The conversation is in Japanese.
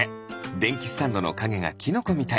でんきスタンドのかげがキノコみたい。